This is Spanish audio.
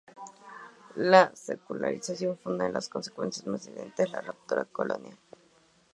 La secularización fue una de las consecuencias más evidentes de la ruptura colonial.